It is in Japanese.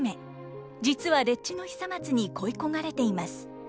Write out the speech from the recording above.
実は丁稚の久松に恋い焦がれています。